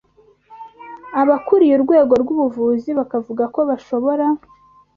abakuriye urwego rw’ubuvuzi bakavuga ko bashobora